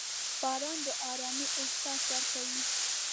• باران د ارامۍ احساس ورکوي.